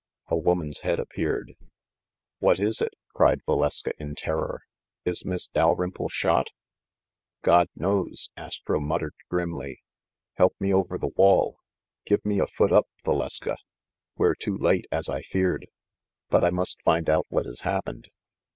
A woman's head appeared. "What is it?" cried Valeska in terror. "Is Miss Dalrymple shot ?" "God knows!'* Astro muttered grimly. "Help me over the wall. Give me a foot up, Valeska. We're too late, as I feared; but I must find out what has hap pened.